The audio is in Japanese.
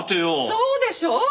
そうでしょう？